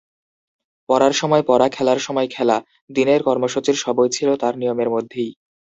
পড়ার সময় পড়া, খেলার সময় খেলা—দিনের কর্মসূচির সবই ছিল তার নিয়মের মধ্যেই।